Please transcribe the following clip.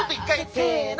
せの。